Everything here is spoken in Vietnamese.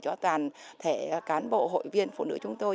cho toàn thể cán bộ hội viên phụ nữ chúng tôi